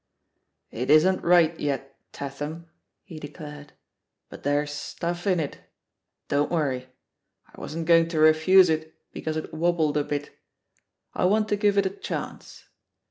"It isn't right yet, Tatham," he declared^ *T)ut there's stuff in it — don't worry. I wasn't going to refuse it because it wobbled a bit. I want to give it a chance.